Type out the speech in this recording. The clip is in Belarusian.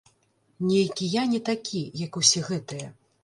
Нейкі я не такі, як усе гэтыя.